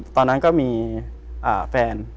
ตอนนั้นก็มีแฟน